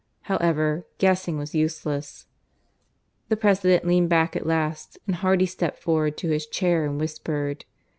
However, guessing was useless. The President leaned back at last, and Hardy stepped forward to his chair and whispered.